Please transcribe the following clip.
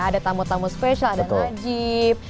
ada tamu tamu spesial ada najib